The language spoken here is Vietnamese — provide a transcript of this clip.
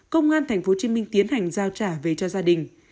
công an tp hcm tiến hành giao trả về cho gia đình